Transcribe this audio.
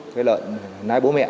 cái lợn lái bố mẹ